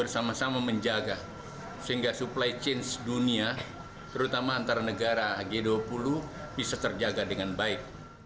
sehingga supply chain di dunia terutama antar negara g dua puluh bisa terjaga dengan baik